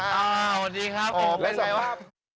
อ่าสวัสดีครับเป็นไงว่า